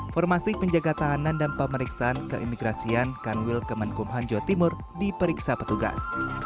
formasi penjaga tahanan dan pemeriksaan keimigrasian kanwil kemenkumham jawa timur diperiksa petugas